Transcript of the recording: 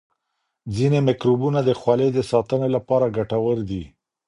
ځینې میکروبونه د خولې د ساتنې لپاره ګټور دي.